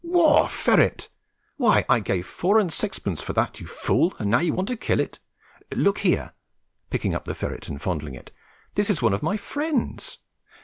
War ferret! Why, I gave four and sixpence for that, you fool, and now you want to kill it! Look here (picking the ferret up and fondling it), this is one of my friends.